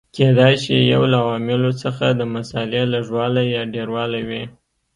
کېدای شي یو له عواملو څخه د مسالې لږوالی یا ډېروالی وي.